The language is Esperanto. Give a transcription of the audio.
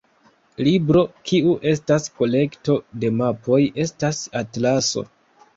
Libro kiu estas kolekto de mapoj estas atlaso.